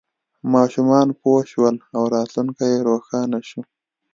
ماشومان پوه شول او راتلونکی یې روښانه شو.